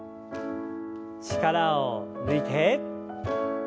力を抜いて。